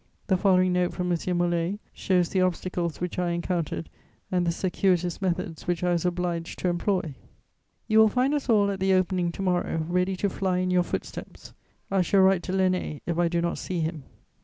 The following note from M. Molé shows the obstacles which I encountered and the circuitous methods which I was obliged to employ: "You will find us all at the opening to morrow, ready to fly in your footsteps: I shall write to Lainé if I do not see him.